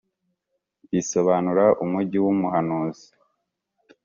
bisobanura umugi w’umuhanuzi.